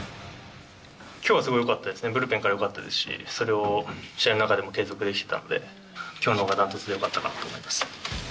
きょうはすごいよかったですね、ブルペンからよかったですし、それを試合の中でも継続できてたので、きょうのほうがダントツでよかったかと思います。